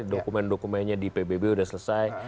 dokumen dokumennya di pbb sudah selesai